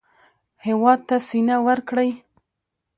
هېواد ته سینه ورکړئ